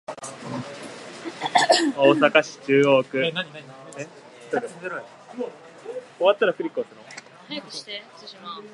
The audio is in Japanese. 大阪市中央区